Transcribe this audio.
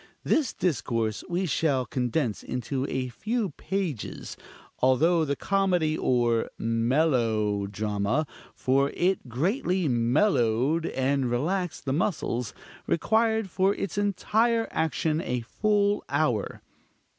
This discourse we shall condense into a few pages; although the comedy or mellow drama for it greatly mellowed and relaxed the muscles required for its entire action a full hour.